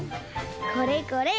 これこれ！